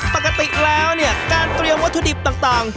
ปกติแล้วเนี่ยการเตรียมวัตถุดิบต่าง